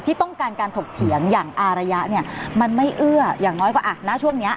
ที่ต้องการการถกเถียงอย่างอารยะเนี่ยมันไม่เอื้ออย่างน้อยกว่าอ่ะณช่วงนี้